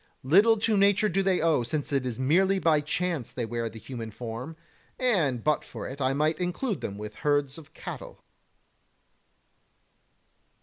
Little to nature do they owe, since it is merely by chance they wear the human form, and but for it I might include them with herds of cattle.